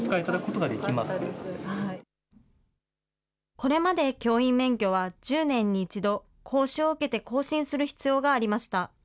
これまで教員免許は１０年に一度、講習を受けて更新をする必要がありました。